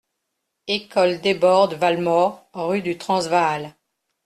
École Desbordes-Valmore Rue du Transvaal.